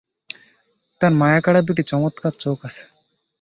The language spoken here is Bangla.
তার মায়া-কাড়া দুটি চমৎকার চোখ আছে।